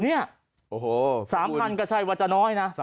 โอ้โห๓๐๐ก็ใช่ว่าจะน้อยนะ